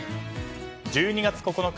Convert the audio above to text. １２月９日